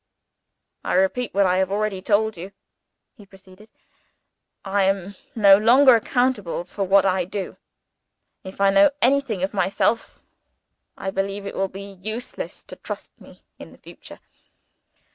"I repeat what I have already told you," he proceeded. "I am no longer accountable for what I do. If I know anything of myself, I believe it will be useless to trust me in the future.